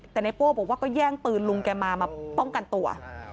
แต่ในโป้บอกว่าก็แย่งปืนลุงแกมามาป้องกันตัว